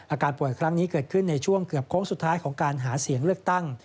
อาการป่วยครั้งนี้เกิดขึ้นในช่วงเกือบโค้งสุดท้ายของการหาเสียงเลือกตั้ง